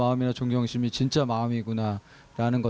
เพื่อช่วยหลักผู้ชม